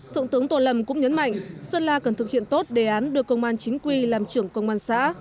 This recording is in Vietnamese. thượng tướng tô lâm cũng nhấn mạnh sơn la cần thực hiện tốt đề án đưa công an chính quy làm trưởng công an xã